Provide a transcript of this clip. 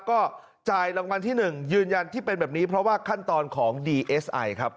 ก็จ่ายรางวัลที่๑ยืนยันที่เป็นแบบนี้เพราะว่าขั้นตอนของดีเอสไอครับ